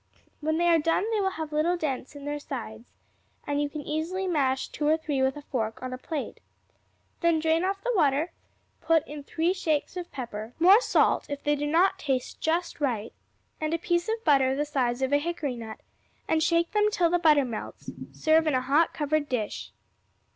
When they are done they will have little dents in their sides, and you can easily mash two or three with a fork on a plate. Then drain off the water, put in three shakes of pepper, more salt if they do not taste just right, and a piece of butter the size of a hickory nut, and shake them till the butter melts; serve in a hot covered dish.